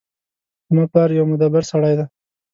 زما پلار یو مدبر سړی ده